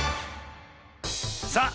さあ